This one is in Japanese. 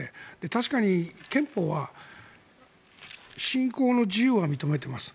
確かに憲法は信仰の自由は認めています。